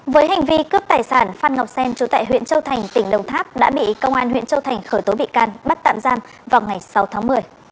với hành vi cướp tài sản phan ngọc sen chú tại huyện châu thành tỉnh đồng tháp đã bị công an huyện châu thành khởi tố bị can bắt tạm giam vào ngày sáu tháng một mươi